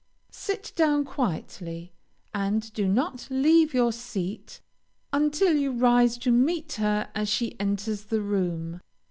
Sit down quietly, and do not leave your seat until you rise to meet her as she enters the room.